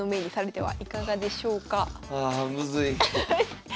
はい。